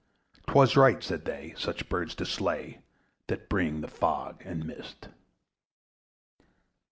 'Twas right, said they, such birds to slay, That bring the fog and mist.